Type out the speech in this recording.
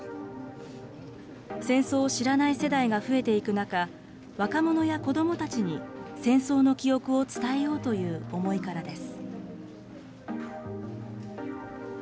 戦争を知らない世代が増えていく中、若者や子どもたちに戦争の記憶を伝えようという思いからです。